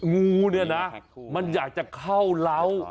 งูเนี่ยนะมันอยากจะเข้าเล้า